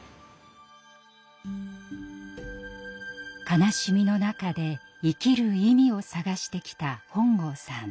悲しみの中で生きる意味を探してきた本郷さん。